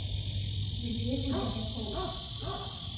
Иреиӷьу џьабацәоуп.